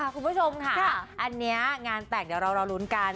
คุณผู้ชมค่ะอันนี้งานแต่งเดี๋ยวเรารอลุ้นกัน